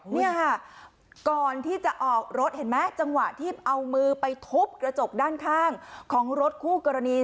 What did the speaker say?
นี่ค่ะก่อนที่จะออกรถเห็นไหมจังหวะที่เอามือไปทุบกระจกด้านข้างของรถคู่กรณี